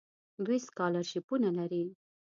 دوی سکالرشیپونه لري.